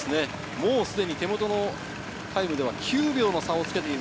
もうすでに手元のタイムでは９秒の差をつけている。